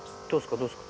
どうですか？